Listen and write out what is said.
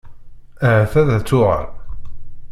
Ahat ad d-tuɣal?